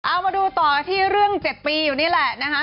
เอามาดูต่อกันที่เรื่อง๗ปีอยู่นี่แหละนะคะ